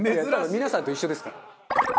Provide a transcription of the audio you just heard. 皆さんと一緒ですから。